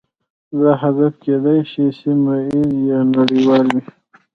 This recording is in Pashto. دا هدف کیدای شي سیمه ایز یا نړیوال وي